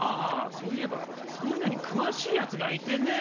そういえばそういうのにくわしいやつがいてね。